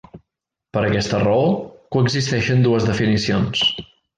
Per aquesta raó coexisteixen dues definicions.